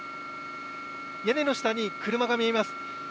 屋根の下に車が見えます。